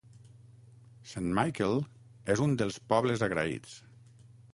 Saint Michael és un dels "pobles agraïts".